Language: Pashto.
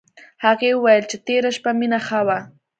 هغې وویل چې تېره شپه مينه ښه وه